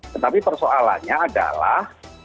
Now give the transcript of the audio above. tetapi persoalannya adalah